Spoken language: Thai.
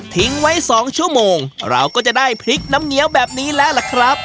ทิ้งไว้๒ชั่วโมงเราก็จะได้พริกน้ำเงี้ยวแบบนี้แล้วล่ะครับ